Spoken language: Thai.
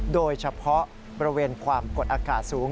โดยเฉพาะบริเวณความกดอากาศสูง